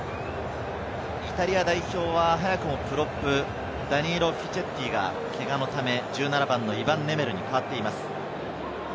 イタリア代表は早くもプロップ・フィチェッティがけがのため、１７番のイヴァン・ネメルに代わっています。